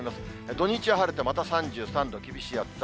土日は晴れてまた３３度、厳しい暑さ。